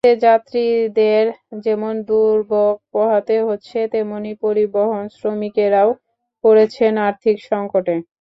এতে যাত্রীদের যেমন দুর্ভোগ পোহাতে হচ্ছে, তেমনি পরিবহনশ্রমিকেরাও পড়েছেন আর্থিক সংকটে।